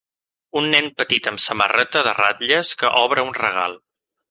Un nen petit amb samarreta de ratlles que obre un regal.